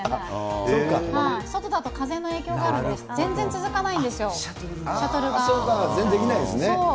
外だと風の影響があるので、全然続かないんですよ、シャトルそうか、全然できないんですそう。